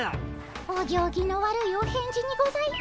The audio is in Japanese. お行儀の悪いお返事にございま。